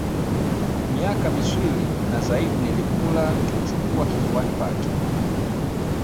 Miaka miswili na zaidi nilikula kilichokuwa kifuani pake